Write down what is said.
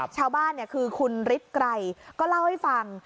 ชาวบ้านคือคุณริดไกรเขาเล่าให้ฟัง